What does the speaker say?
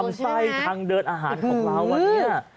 ลำไซซร์ทางเดินอาหารของเราว่ะเนี่ย